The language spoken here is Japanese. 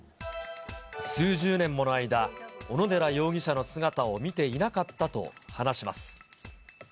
数十年もの間、小野寺容疑者の姿を見ていなかったと話します。